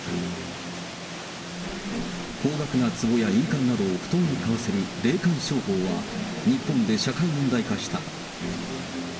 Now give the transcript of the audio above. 高額なつぼや印鑑などを不当に買わせる霊感商法は、日本で社会問題化した。